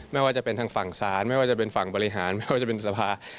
ไม่ว่าจะเป็นทางฝั่งศาลไม่ว่าจะเป็นฝั่งบริหารไม่ว่าจะเป็นสภา